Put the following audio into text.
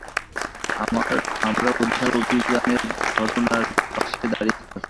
আমরা উদ্ধার অভিযানের ঘাঁটির পাশে দাঁড়িয়ে আছি।